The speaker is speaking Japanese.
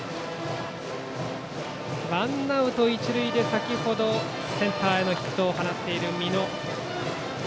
ワンアウト、一塁で先ほどセンターへのヒットを放っている美濃。